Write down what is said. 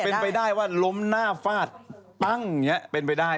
เป็นไปได้ว่าล้มหน้าฟาดปั้งอย่างนี้เป็นไปได้